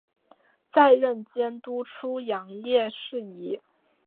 再任监督出洋肄业事宜。